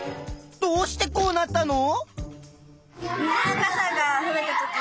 どうしてこうなったの？